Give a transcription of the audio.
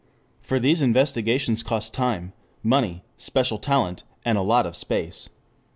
For these investigations cost time, money, special talent, and a lot of space.